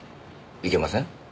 いけません？